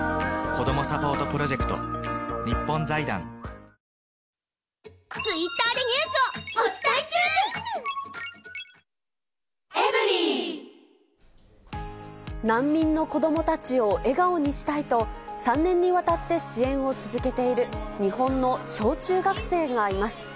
ゾンビ臭に新「アタック抗菌ＥＸ」難民の子どもたちを笑顔にしたいと、３年にわたって支援を続けている、日本の小中学生がいます。